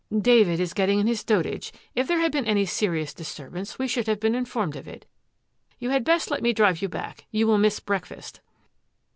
" David is getting in his dotage ; if there had been any serious disturbance we should have been informed of it. You had best let me drive you back. You will miss breakfast."